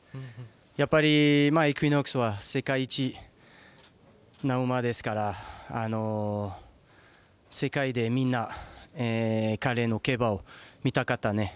やっぱりイクイノックスは世界一な馬ですから世界でみんな彼の競馬を見たかったね。